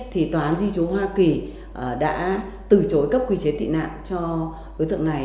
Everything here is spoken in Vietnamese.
thì tòa án di chú hoa kỳ đã từ chối cấp quy chế tị nạn cho đối tượng này